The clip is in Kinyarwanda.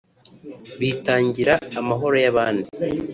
bitangira amahoro y’abandi